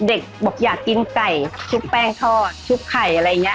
เด็กบอกอยากกินไก่ชุบแป้งทอดชุบไข่อะไรอย่างนี้